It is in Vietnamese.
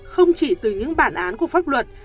không chỉ từ những bản án của pháp luật